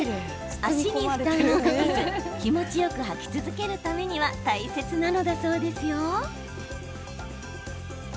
足に負担をかけず気持ちよく履き続けるためには大切なのだそうですよ。